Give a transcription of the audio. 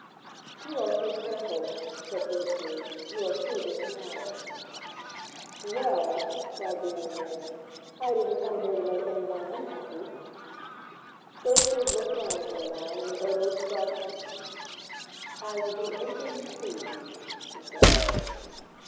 "You are too careful," said Gertrude; "you are too diplomatic." "Well," cried the young man, "I didn't come here to make anyone unhappy!" Gertrude looked round her awhile in the odorous darkness. "I will do anything you please," she said.